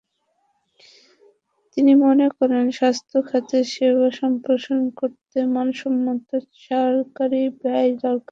তিনি মনে করেন, স্বাস্থ্য খাতে সেবা সম্প্রসারণ করতে মানসম্পন্ন সরকারি ব্যয় দরকার।